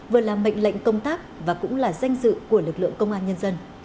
vừa là mệnh lệnh công tác và cũng là danh dự của lực lượng công an nhân dân